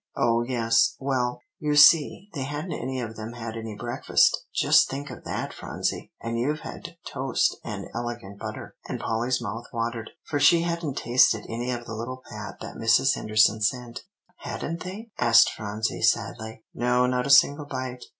"Oh, yes, well, you see, they hadn't any of them had any breakfast. Just think of that, Phronsie, and you've had toast and elegant butter;" and Polly's mouth watered, for she hadn't tasted any of the little pat that Mrs. Henderson sent. "Hadn't they?" asked Phronsie sadly. "No, not a single bite.